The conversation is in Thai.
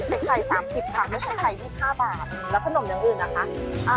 เน็ตไข่๓๐ค่ะเน็ตไข่๒๕บาทแล้วขนมอย่างอื่นนะคะ